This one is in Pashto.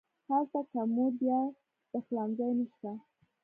هلته کمود یا پخلنځی نه شته.